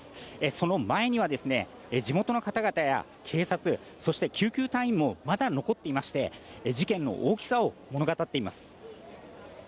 その前には地元の方々や警察そして救急隊員もまだ残っていまして事件の大きさを物語っています。